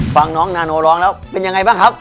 ฟังน้องนาโนร้องแล้วเป็นยังไงบ้างครับ